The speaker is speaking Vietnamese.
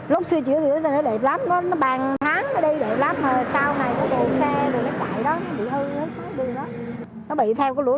lúc sửa chữa nó đẹp lắm nó bàn tháng nó đi đẹp lắm